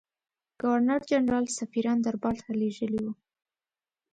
ګورنرجنرال سفیران دربارته لېږلي وه.